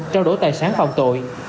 trao đổi tài sản phạm tội